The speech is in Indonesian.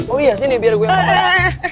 oh iya sini biar gue yang gantian